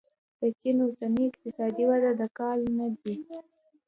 د چین اوسنۍ اقتصادي وده د کل نه دی.